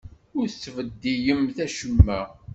Ur ttbeddilemt acemma!